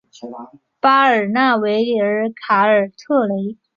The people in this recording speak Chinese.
巴尔纳维尔卡尔特雷。